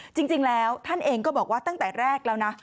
จริงแล้วท่านเองก็บอกว่าตั้งแต่แรกแล้วนะ